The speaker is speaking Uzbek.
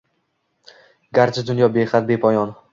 Garchi dunyo behad, bepoyon